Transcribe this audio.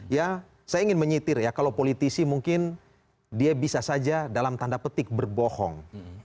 ya saya ingin menyetir ya kalau politisi mungkin dia bisa saja dalam tanda petik berbohong